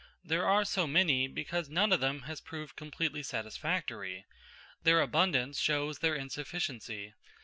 They are so many because none of them has proved completely satisfactory. Their abundance shows their insufficiency.